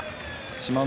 志摩ノ